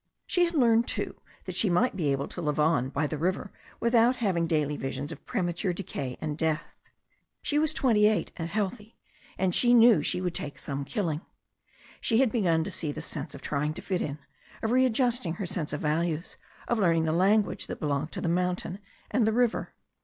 She had learned, too, that she might be able to live on by the river without having daily visions of premature decay and death. She was twenty eight, and healthy, and she knew she would take some killing. She had begun to see the sense of trying to fit in, of readjusting her sense of values, of learning the language that belonged to the mountain and the river.